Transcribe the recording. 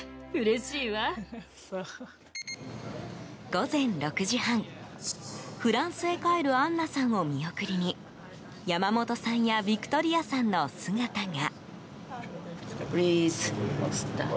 午前６時半、フランスへ帰るアンナさんを見送りに山本さんやヴィクトリアさんの姿が。